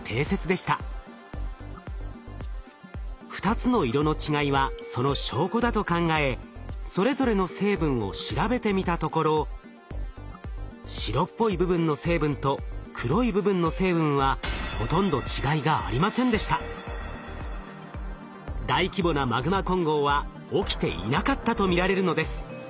２つの色の違いはその証拠だと考えそれぞれの成分を調べてみたところ白っぽい部分の成分と黒い部分の成分は大規模なマグマ混合は起きていなかったと見られるのです。